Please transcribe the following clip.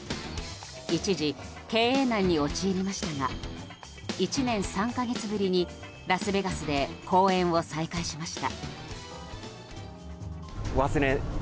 一時、経営難に陥りましたが１年３か月ぶりに、ラスベガスで公演を再開しました。